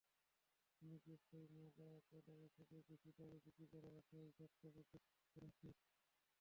অনেক ব্যবসায়ী পয়লা বৈশাখে বেশি দামে বিক্রি করার আশায় জাটকা মজুত করছেন।